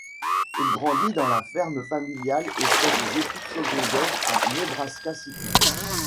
Il grandit dans la ferme familiale et fait ses études secondaires à Nebraska City.